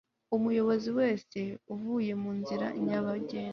umuyobozi wese uvuye mu nzira nyabagendwa